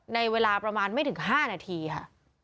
ในเวลาประมาณไม่ถึง๕นาทีค่ะ